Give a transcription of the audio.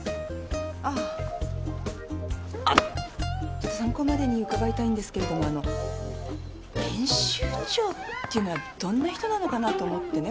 ちょっと参考までに伺いたいんですけれどもあの編集長っていうのはどんな人なのかなと思ってね